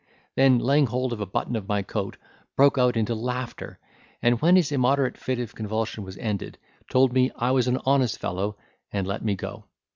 then laying hold of a button of my coat, broke out into laughter; and when his immoderate fit of convulsion was ended, told me I was an honest fellow, and let me go.